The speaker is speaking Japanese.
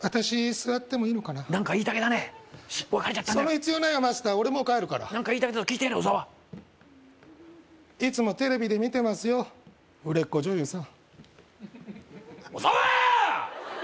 その必要ないよマスター俺もう帰るから何か言いたいこと聞いてやれ小沢いつもテレビで見てますよ売れっ子女優さん小沢ー！